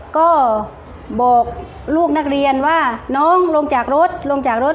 ก็บอกลูกนักเรียนว่าน้องลงจากรถลงจากรถ